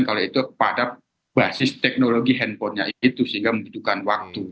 kalau itu pada basis teknologi handphonenya itu sehingga membutuhkan waktu